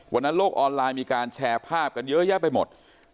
โลกออนไลน์มีการแชร์ภาพกันเยอะแยะไปหมด